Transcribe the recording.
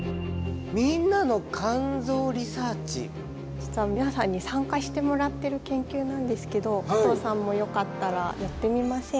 実は皆さんに参加してもらってる研究なんですけど加藤さんもよかったらやってみませんか？